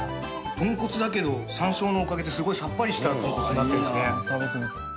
豚骨だけど山椒のおかげですごいサッパリした豚骨になってるんですね。